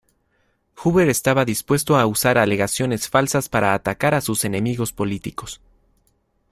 Hoover estaba dispuesto a usar alegaciones falsas para atacar a sus enemigos políticos.